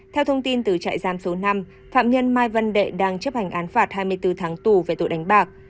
theo thông tin từ trại giam số năm phạm nhân mai văn đệ đang chấp hành án phạt hai mươi bốn tháng tù về tội đánh bạc